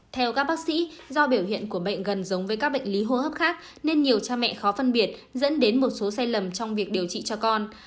theo các bác sĩ do biểu hiện của bệnh gần giống với các bệnh lý hô hấp khác nên nhiều cha mẹ khó phân biệt dẫn đến một số sai lầm trong việc điều trị cho con